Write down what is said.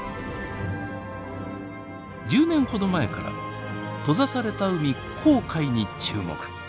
１０年ほど前から閉ざされた海紅海に注目。